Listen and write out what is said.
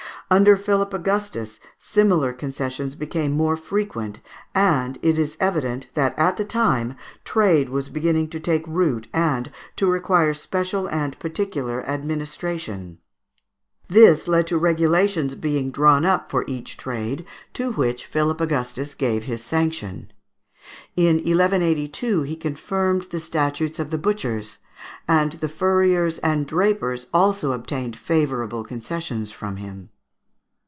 Under Philip Augustus similar concessions became more frequent, and it is evident that at that time trade was beginning to take root and to require special and particular administration. This led to regulations being drawn up for each trade, to which Philip Augustus gave his sanction. In 1182 he confirmed the statutes of the butchers, and the furriers and drapers also obtained favourable concessions from him.